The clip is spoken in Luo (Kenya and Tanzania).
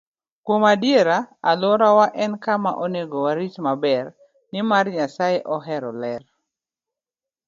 Kuom adier, alworawa en kama onego warit maber, nimar Nyasaye ohero ler.